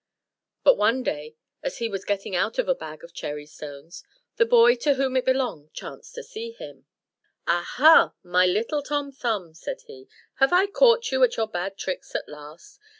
But one day as he was getting out of a bag of cherry stones, the boy to whom it belonged chanced to see him. "Ah, ha, my little Tom Thumb!" said he, "have I caught you at your bad tricks at last?